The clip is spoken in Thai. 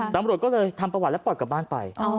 ตำรวจก็เลยทำประวัติแล้วปล่อยกลับบ้านไป